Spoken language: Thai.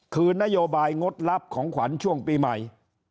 คือนโยบายงดรับของขวัญช่วงปีใหม่